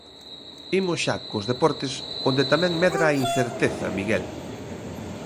Imos xa cos deportes, onde tamén medra a incerteza, Miguel.